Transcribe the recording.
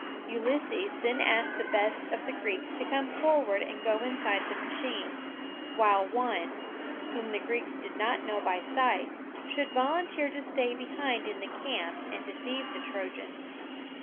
Ulysses then asked the best of the Greeks to come forward and go inside the machine; while one, whom the Greeks did not know by sight, should volunteer to stay behind in the camp and deceive the Trojans.